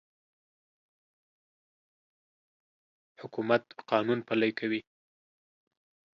حکومت قانون پلی کوي.